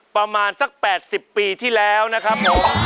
ประมาณสัก๘๐ปีที่แล้วนะครับ